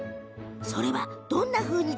それはどんなふうに？